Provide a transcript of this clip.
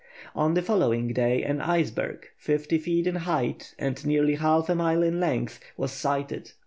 On the following day an iceberg, fifty feet in height and nearly half a mile in length, was sighted.